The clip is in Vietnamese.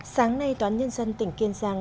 sáng nay toán nhân dân tỉnh kiên giang